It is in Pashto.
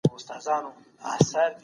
افغانانو د وسلو ټول زیرمې ترلاسه کړې.